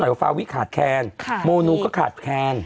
ว่าฟาวิ่งขาดแคนโมนูก็ขาดแคน